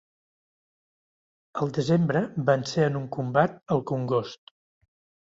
Al desembre vencé en un combat al Congost.